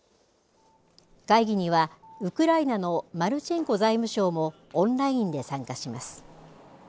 会議にはウクライナのマルチェンコ財務相もオンラインで参加します。